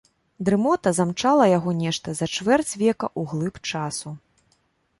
Дрымота замчала яго нешта за чвэрць века ў глыб часу.